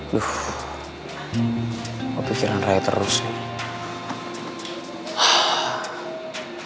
aduh kepikiran raya terus nih